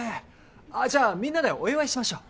じゃあみんなでお祝いしましょう。